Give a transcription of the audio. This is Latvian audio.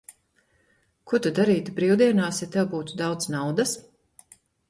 Ko tu darītu brīvdienās, ja tev būtu daudz naudas?